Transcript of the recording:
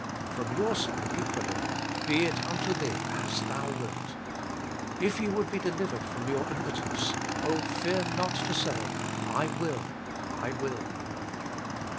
From your side equally :" Be it unto thee as thou wilt." If you would be delivered from your impotence oh, fear not to say, " I will, I will